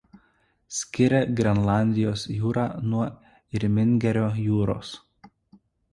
Skiria Grenlandijos jūrą nuo Irmingerio jūros.